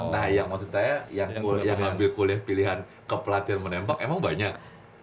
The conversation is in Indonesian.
nah yang maksud saya yang ambil kuliah pilihan kepelatihan menembak emang banyak